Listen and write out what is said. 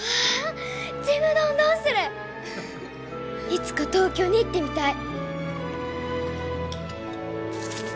いつか東京に行ってみたい。